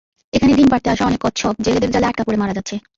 এখানে ডিম পাড়তে আসা অনেক কচ্ছপ জেলেদের জালে আটকা পড়ে মারা যাচ্ছে।